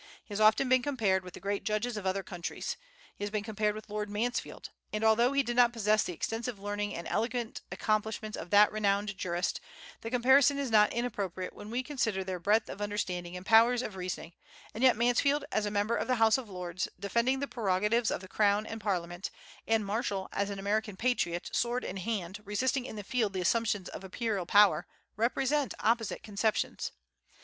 He has often been compared with the great judges of other countries. He has been compared with Lord Mansfield; and although he did not possess the extensive learning and elegant accomplishments of that renowned jurist, the comparison is not inappropriate when we consider their breadth of understanding and powers of reasoning; and yet Mansfield, as a member of the House of Lords, defending the prerogatives of the Crown and Parliament, and Marshall as an American patriot, sword in hand, resisting in the field the assumptions of imperial power, represent opposite conceptions.